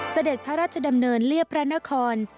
เสด็จพระราชดำเนินเรียบพระนคร